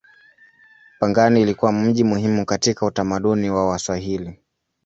Pangani ilikuwa mji muhimu katika utamaduni wa Waswahili.